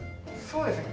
そうですね。